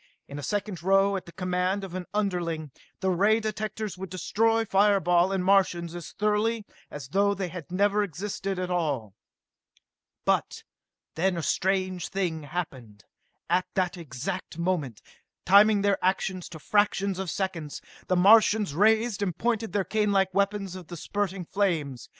In a second now, at the command of an underling, the ray directors would destroy fire ball and Martians as thoroughly as though they had never existed at all. But then a strange thing happened. At that exact moment, timing their actions to fractions of seconds, the Martians raised and pointed their canelike weapons of the spurting flames.